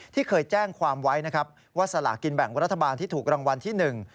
ที่เคยแจ้งความไว้นะครับว่าสลากินแบ่งรัฐบาลที่ถูกรางวัลที่หนึ่ง